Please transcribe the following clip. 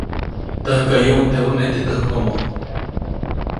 Täjkäyuʼuŋ teʼ ʼuneʼ teʼ täjkomo.